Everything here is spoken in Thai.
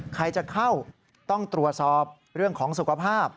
ใครจะเข้าต้องตรวจสอบเรื่องของสุขภาพ